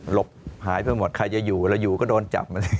หลบหายทั้งหมดใครจะอยู่แล้วอยู่ก็โดนจับ